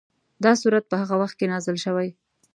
دا سورت په هغه وخت کې نازل شوی.